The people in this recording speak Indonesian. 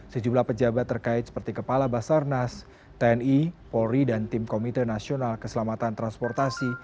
sejumlah pejabat terkait seperti kepala basarnas tni polri dan tim komite nasional keselamatan transportasi